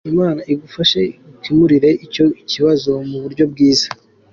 Imana igufashe igukemurire icyo kibazo mu buryo bwiza .